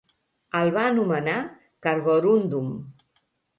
El va anomenar carborúndum.